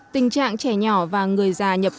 tình trạng trẻ nhỏ và người già nhập vệnh